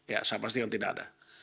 ya saya pastikan tidak ada